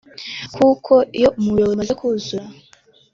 kuko iyo umuyoboro umaze kuzura